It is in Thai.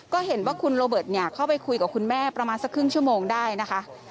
ก็เห็นว่าคุณโรเบิร์ตเข้าไปคุยกับคุณแม่ประมาณสักครึ่งชั่วโมงได้นะคะ